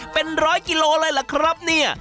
เป็น๑๐๐กิโลอะไรล่ะครับเนี่ย